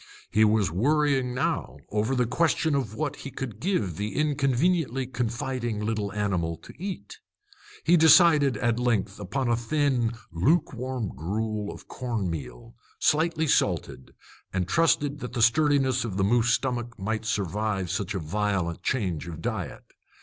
He was worrying now over the question of what he could give the inconveniently confiding little animal to eat. He decided, at length, upon a thin, lukewarm gruel of corn meal, slightly salted, and trusted that the sturdiness of the moose stomach might survive such a violent change of diet.